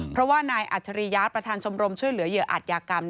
เพราะว่านายอัจฉริยะประธานชมรมช่วยเหลือเหยื่ออัตยากรรม